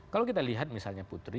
kalau kita lihat misalnya putri